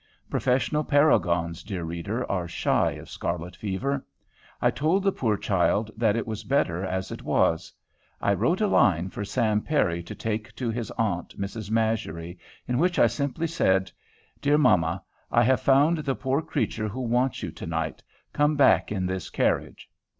Professional paragons, dear reader, are shy of scarlet fever. I told the poor child that it was better as it was. I wrote a line for Sam Perry to take to his aunt, Mrs. Masury, in which I simply said: "Dear mamma, I have found the poor creature who wants you to night. Come back in this carriage."